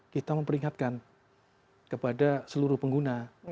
kita memperingatkan kepada seluruh pengguna